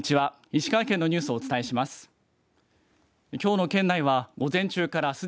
石川県のニュースをお伝えします。